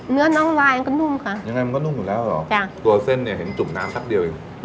เนื้อน้องวายมันก็นุ่มค่ะยังไงมันก็นุ่มอยู่แล้วเหรอจ้ะตัวเส้นเนี่ยเห็นจุ่มน้ำสักเดียวเอง